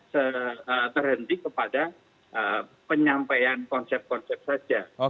saya terhenti kepada penyampaian konsep konsep saja